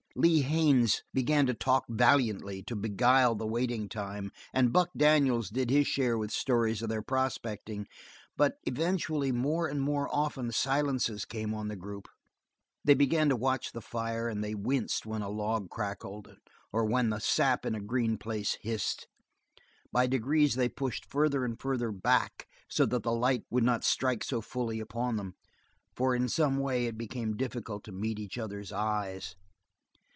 Lee Haines began to talk valiantly, to beguile the waiting time, and Buck Daniels did his share with stories of their prospecting, but eventually more and more often silences came on the group. They began to watch the fire and they winced when a log crackled, or when the sap in a green place hissed. By degrees they pushed farther and farther back so that the light would not strike so fully upon them, for in some way it became difficult to meet each other's eyes.